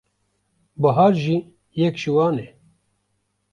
Bihar jî yek ji wan e.